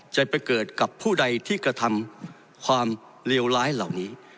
จะไปเกิดกับผู้ใดที่กระทำความเลวร้ายเหล่านี้